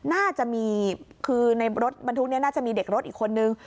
น่าจะมีคือในรถบรรทุกนี้น่าจะมีเด็กรถอีกคนนึง